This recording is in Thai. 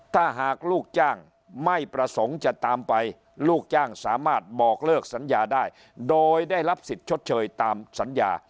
ถ้าหากลูกจ้างไม่ประสงค์จะตามไปลูกจ้างสามารถบอกเลิกสัญญาได้โดยได้รับสิทธิ์ชดเชยตามสัญญา